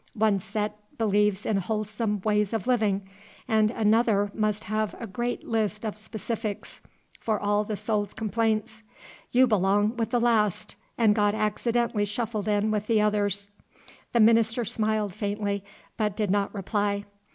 One set believes in wholesome ways of living, and another must have a great list of specifics for all the soul's complaints. You belong with the last, and got accidentally shuffled in with the others." The minister smiled faintly, but did not reply.